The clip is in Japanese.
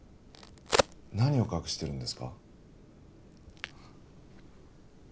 何を隠してるんですか？